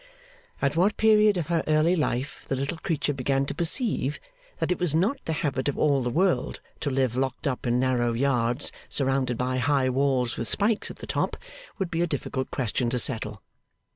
At what period of her early life the little creature began to perceive that it was not the habit of all the world to live locked up in narrow yards surrounded by high walls with spikes at the top, would be a difficult question to settle.